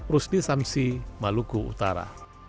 rusli samsi maluku utara